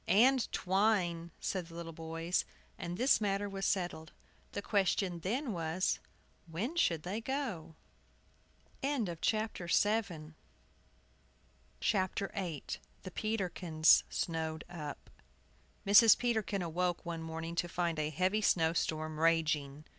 "And twine," said the little boys. And this matter was settled. The question then was, "When should they go?" THE PETERKINS SNOWED UP. MRS. PETERKIN awoke one morning to find a heavy snow storm raging.